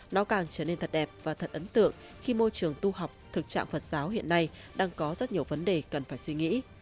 nó càng trở nên thật đẹp và thật ấn tượng khi môi trường tu học thực trạng phật giáo hiện nay đang có rất nhiều vấn đề cần phải suy nghĩ